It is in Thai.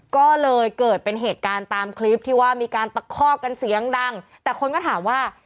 ก็เลยเกิดเป็นเหตุการณ์ตามคลิปที่ว่ามีการตะคอกกันเสียงดังแต่คนก็ถามว่า